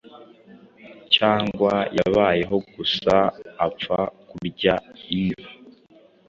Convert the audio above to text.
Cyangwa yabayeho gusa apfa kurya inyo?